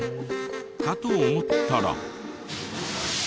かと思ったら。